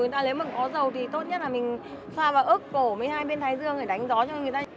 nếu mà có dầu thì tốt nhất là mình xoa vào ức cổ mấy hai bên thái dương để đánh gió cho người ta